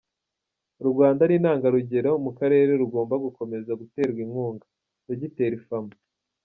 U Rwanda ni intangarugero mu karere rugomba gukomeza guterwa inkunga –Dogiteri Fama